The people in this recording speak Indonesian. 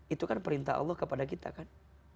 itu kan perintah allah kepada kita kan